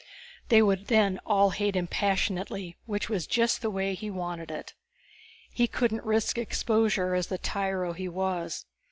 They would then all hate him passionately, which was just the way he wanted it. He couldn't risk exposure as the tyro he was.